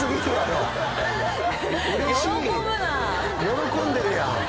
喜んでるやん。